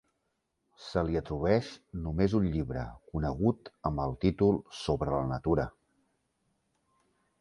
Se li atribueix només un llibre, conegut amb el títol "Sobre la Natura".